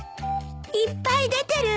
いっぱい出てる。